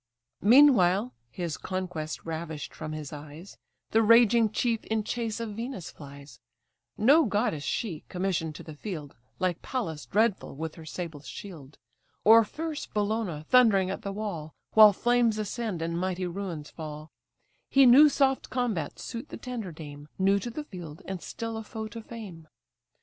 Meanwhile (his conquest ravished from his eyes) The raging chief in chase of Venus flies: No goddess she, commission'd to the field, Like Pallas dreadful with her sable shield, Or fierce Bellona thundering at the wall, While flames ascend, and mighty ruins fall; He knew soft combats suit the tender dame, New to the field, and still a foe to fame.